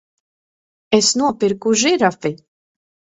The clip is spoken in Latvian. Es nopirku žirafi!